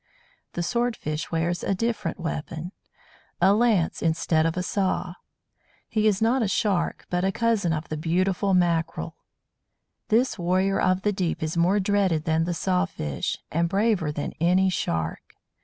The Sword fish wears a different weapon a lance instead of a saw. He is not a Shark, but a cousin of the beautiful Mackerel. This warrior of the deep is more dreaded than the Saw fish, and braver than any Shark.